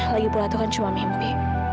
lagipulah itu kan cuma mimpi